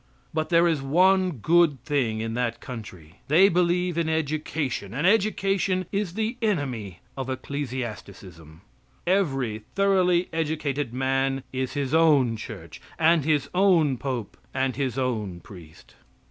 But there is one good thing in that country. They believe in education, and education is the enemy of ecclesiasticism. Every thoroughly educated man is his own church, and his own pope, and his own priest.